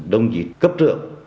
đồng dịch cấp trưởng